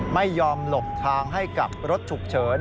ไม่ยอมหลบทางให้กับรถฉุกเฉิน